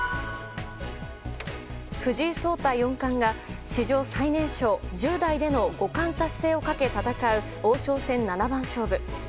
藤井聡太四冠が史上最年少１０代での五冠達成をかけ戦う王将戦七番勝負。